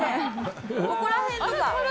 ここらへんとか。